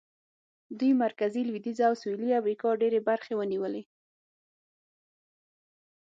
دوی مرکزي، لوېدیځه او سوېلي امریکا ډېرې برخې ونیولې.